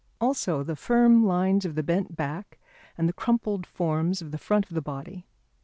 Also the firm lines of the bent back and the crumpled forms of the front of the body.